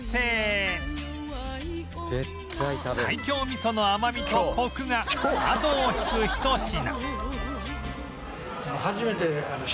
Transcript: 西京味噌の甘みとコクが後を引くひと品